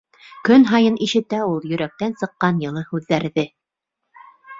Көн һайын ишетә ул йөрәктән сыҡҡан йылы һүҙҙәрҙе.